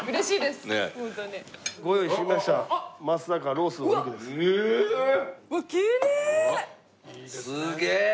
すげえ！